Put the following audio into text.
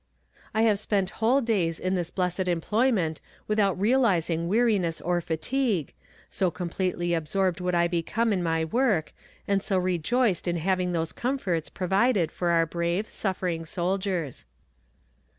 I have spent whole days in this blessed employment without realizing weariness or fatigue, so completely absorbed would I become in my work, and so rejoiced in having those comforts provided for our brave, suffering soldiers.